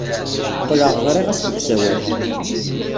Qqleɣ ɣriɣ-as deg usawal.